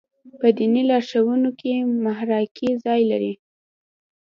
په دیني لارښوونو کې محراقي ځای لري.